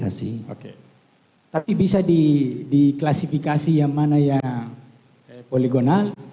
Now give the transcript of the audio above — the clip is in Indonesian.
hai tapi bisa di di klasifikasi yang mana yang ada yang tidak terbentuk lagi memang masih bisa diitipin